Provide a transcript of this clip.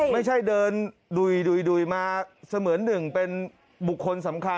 ไม่ใช่เดินดุยมาเสมือนหนึ่งเป็นบุคคลสำคัญ